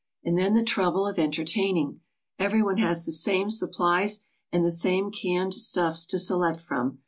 And then the trouble of entertaining! Everyone has the same supplies, and the same canned stuffs to select from.